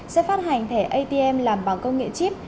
sẽ phát hành thẻ atm làm bằng công nghệ chip